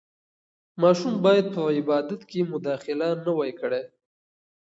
ماشوم باید په عبادت کې مداخله نه وای کړې.